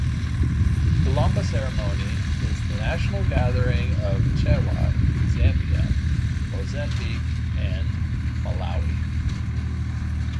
Kulamba Ceremony is the national gathering of Chewa in Zambia, Mosambique and Malawi.